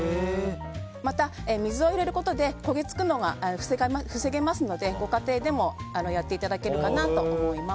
また、水を入れることで焦げつくのが防げますのでご家庭でもやっていただけるかなと思います。